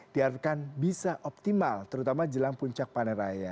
diharapkan bisa optimal terutama jelang puncak panen raya